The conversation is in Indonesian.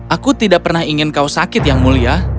aku tidak pernah ingin kau sakit yang mulia